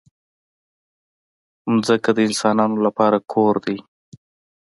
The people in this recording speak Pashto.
ځمکه د انسانانو لپاره کور دی.